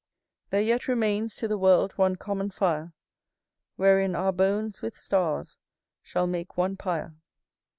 There yet remains to th' world one common fire, Wherein our bones with stars shall make one pyre.